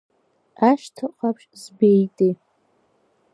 Ашҭа Ҟаԥшь збеитеи!